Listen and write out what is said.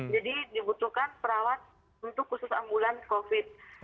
jadi dibutuhkan perawat untuk khusus ambulan covid sembilan belas